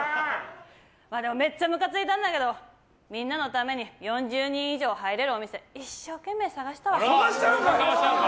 でも、めっちゃむかついたんだけどみんなのために４０人以上入れるお店一生懸命探したわ。